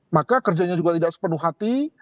maka kerjanya juga tidak sepenuh hati